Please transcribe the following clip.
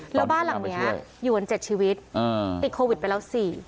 แล้วบ้านหลังนี้อยู่กัน๗ชีวิตติดโควิดไปแล้ว๔